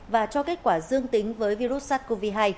và cho kết quả dương tính với virus sars cov hai